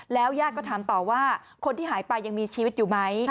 ยาดก็ถามต่อว่าคนที่หายไปยังมีชีวิตอยู่ไหม